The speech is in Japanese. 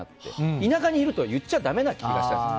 田舎にいると言っちゃだめな気がしたんです。